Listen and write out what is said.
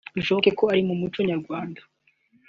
Bishoboke ko ari mu muco nyarwanda